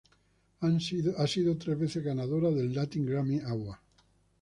Ha sido tres veces ganadora del Latin Grammy Award.